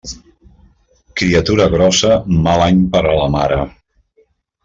Criatura grossa, mal any per a la mare.